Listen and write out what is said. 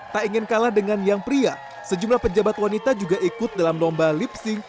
tak ingin kalah dengan yang pria sejumlah pejabat wanita juga ikut dalam lomba lip sing